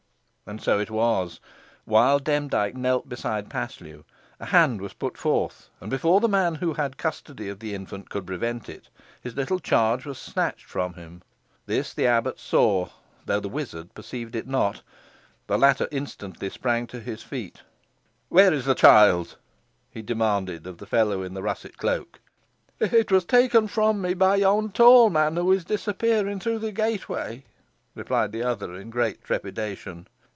And so it was. While Demdike knelt beside Paslew, a hand was put forth, and, before the man who had custody of the infant could prevent it, his little charge was snatched from him. Thus the abbot saw, though the wizard perceived it not. The latter instantly sprang to his feet. "Where is the child?" he demanded of the fellow in the russet cloak. "It was taken from me by yon tall man who is disappearing through the gateway," replied the other, in great trepidation.